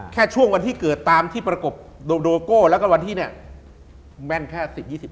แค่ช่วงวันที่เกิดตามที่ประกบโดโก้และวันที่แม่นแค่๑๐๒๐